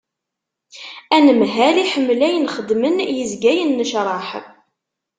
Anemhal iḥemmel ayen xeddmeɣ yezga yennecraḥ.